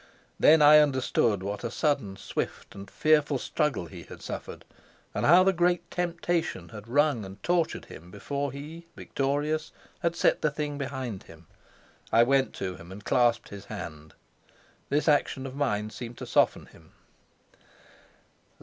Then I understood what a sudden, swift, and fearful struggle he had suffered, and how the great temptation had wrung and tortured him before he, victorious, had set the thing behind him. I went to him and clasped his hand: this action of mine seemed to soften him.